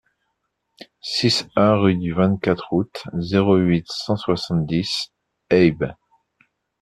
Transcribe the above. six A rue du vingt-quatre Août, zéro huit, cent soixante-dix, Haybes